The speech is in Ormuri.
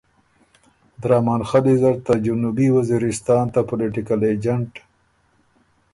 درامن خلّي زر ته جنوبي وزیرستان ته پولیټیکل اېجنټ